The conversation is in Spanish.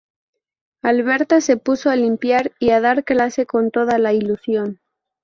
Alberta se puso a limpiar y a dar clase con toda la ilusión.